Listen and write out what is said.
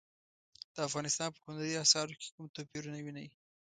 د افغانستان په هنري اثارو کې کوم توپیرونه وینئ؟